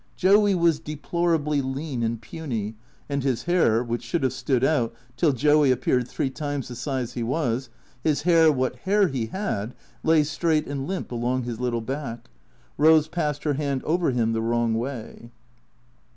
Joey was deplorably lean and puny, and his hair, which should have stood out till Joey appeared three times the size he was, his hair, what hair he had, lay straight and limp along his little back. Rose passed her hand over him the wrong way.